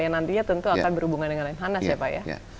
yang nantinya tentu akan berhubungan dengan lemhanas ya pak ya